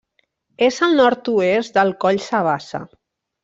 És al nord-oest del Coll Sabassa.